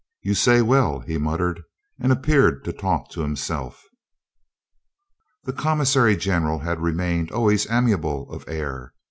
"You say well," he muttered, and appeared to talk to himself. The commissary general had remained always amiable of air.